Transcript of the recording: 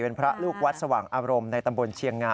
เป็นพระลูกวัดสว่างอารมณ์ในตำบลเชียงงา